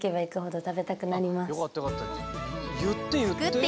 言って言って。